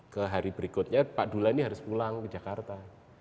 ke hari berikutnya pak dula ini harus pulang ke jakarta